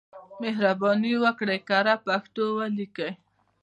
مهرباني وکړئ کره پښتو ولیکئ.